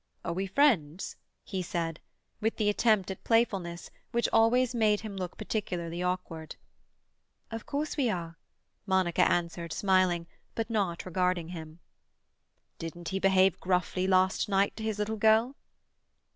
"Are we friends?" he said, with the attempt at playfulness which always made him look particularly awkward. "Of course we are," Monica answered, smiling, but not regarding him. "Didn't he behave gruffly last night to his little girl?"